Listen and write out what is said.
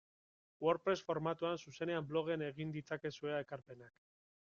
WordPress formatuan zuzenean blogean egin ditzakezue ekarpenak.